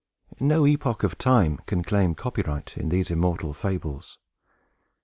No epoch of time can claim a copyright in these immortal fables.